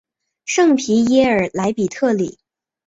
圣皮耶尔莱比特里。